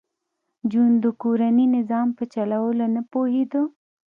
جون د کورني نظام په چلولو نه پوهېده